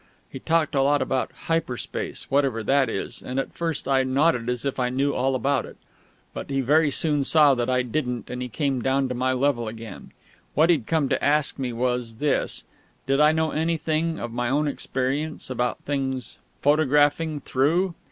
He talked a lot about "hyper space," whatever that is; and at first I nodded, as if I knew all about it. But he very soon saw that I didn't, and he came down to my level again. What he'd come to ask me was this: Did I know anything, of my own experience, about things "photographing through"?